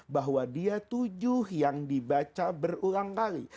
bahwa dia tujuh yang dibaca berulang kali